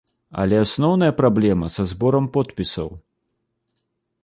Але асноўная праблема са зборам подпісаў.